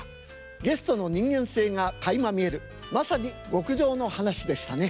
ゲストの人間性がかいま見えるまさに極上のはなしでしたね。